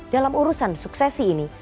dalam urusan suksesi ini